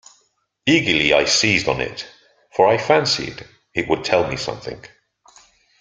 Eagerly I seized on it, for I fancied it would tell me something.